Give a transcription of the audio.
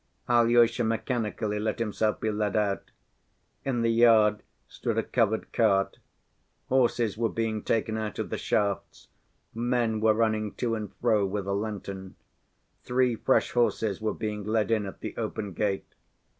Alyosha mechanically let himself be led out. In the yard stood a covered cart. Horses were being taken out of the shafts, men were running to and fro with a lantern. Three fresh horses were being led in at the open gate.